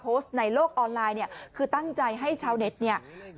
โพสต์ในโลกออนไลน์เนี้ยคือตั้งใจให้ชาวเน็ตเนี้ยเอ่อ